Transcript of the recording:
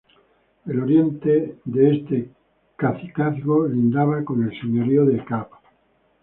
El oriente de este cacicazgo lindaba con el señorío de Ekab.